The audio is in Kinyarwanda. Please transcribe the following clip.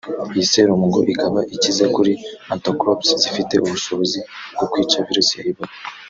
Iyi serum ngo ikaba ikize kuri anticorps zifite ubushobozi bwo kwica virus ya Ebola